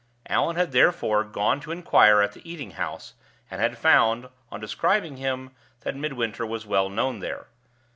Allan had therefore gone to inquire at the eating house, and had found, on describing him, that Midwinter was well known there.